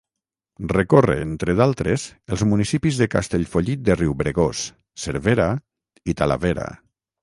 Recorre, entre d'altres, els municipis de Castellfollit de Riubregós, Cervera i Talavera.